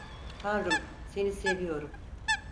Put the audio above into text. Tanrım, seni seviyorum.